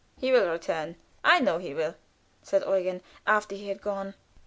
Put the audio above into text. "He will return; I know he will!" said Eugen, after he had gone.